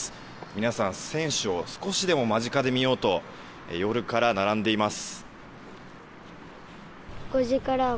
皆さん選手を少しでも間近で見ようと夜から並んでいます。